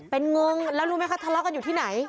เป็นงงแล้วรู้ไหมคะทะเลาะกันอยู่ที่ไหน